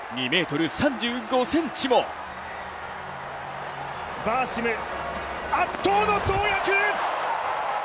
２ｍ３５ｃｍもバーシム、圧倒の跳躍。